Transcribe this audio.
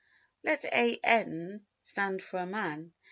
8. Let An stand for a man.